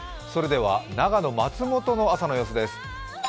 長野・松本の朝の様子です。